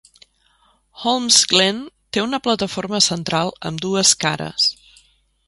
Holmesglen té una plataforma central amb dues cares.